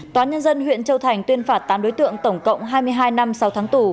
tòa nhân dân huyện châu thành tuyên phạt tám đối tượng tổng cộng hai mươi hai năm sáu tháng tù